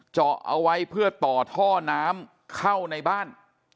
เจาะเอาไว้เพื่อต่อท่อน้ำเข้าในบ้าน